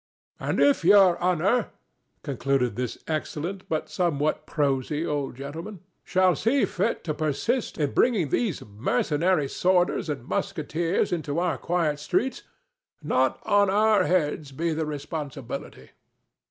"And if Your Honor," concluded this excellent but somewhat prosy old gentleman, "shall see fit to persist in bringing these mercenary sworders and musketeers into our quiet streets, not on our heads be the responsibility.